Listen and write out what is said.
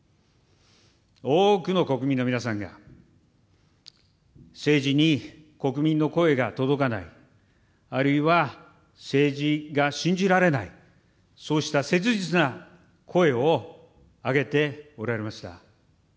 多くの国民の皆さんが、政治に国民の声が届かない、あるいは政治が信じられない、そうした切実な声を上げておられました。